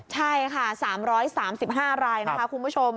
ใช่ค่ะ๓๓๕รายนะคะคุณผู้ชม